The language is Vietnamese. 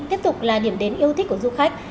tiếp tục là điểm đến yêu thích của du khách